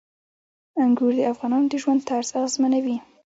انګور د افغانانو د ژوند طرز اغېزمنوي.